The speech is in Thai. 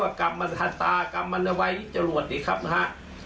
ว่ากลับมาสั่นตากับมันเอาไว้จะรวดดิครับนะฮะ